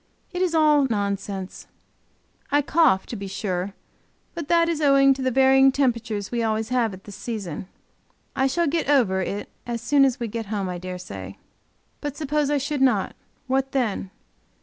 It is all nonsense. I cough, to be sure; but that it is owing to the varying temperature we always have at this season. I shall get over, it as soon as we get home, I dare say. But suppose I should not; what then?